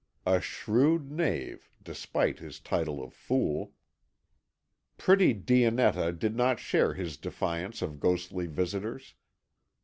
A shrewd knave, despite his title of fool. Pretty Dionetta did not share his defiance of ghostly visitors.